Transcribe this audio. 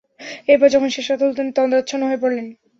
এরপর যখন শেষরাত হলো তিনি তন্দ্রাচ্ছন্ন হয়ে পড়লেন।